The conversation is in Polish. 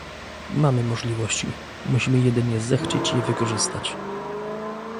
Mamy możliwości - musimy jedynie zechcieć je wykorzystać